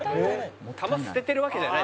球捨ててるわけじゃない。